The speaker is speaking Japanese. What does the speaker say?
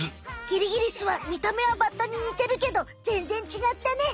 キリギリスは見た目はバッタににてるけどぜんぜんちがったね。